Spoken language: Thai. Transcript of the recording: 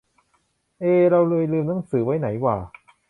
เอ เราไปลืมหนังสือไว้ไหนหว่า